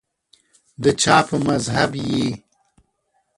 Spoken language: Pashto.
دچا په مذهب یی